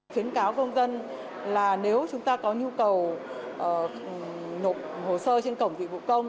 khuyến cáo công dân là nếu chúng ta có nhu cầu nộp hồ sơ trên cổng dịch vụ công